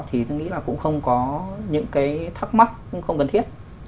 thì tôi nghĩ là cũng không có những cái thắc mắc không cần thiết